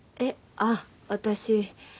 あっ私